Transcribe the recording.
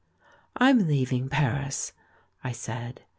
"I am leaving Paris," I said.